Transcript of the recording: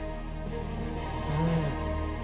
うん。